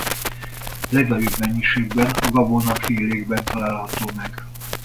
Legnagyobb mennyiségben a gabonafélékben található meg.